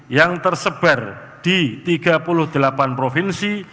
yang tersebar di tiga puluh delapan provinsi